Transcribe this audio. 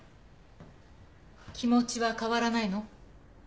気持ちは変わらないの？